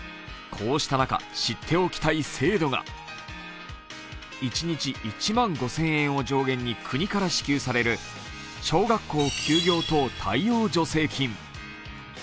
こうした中、知っておきたい制度が一日１万５０００円を上限に国から支給される小学校休業等対応助成金。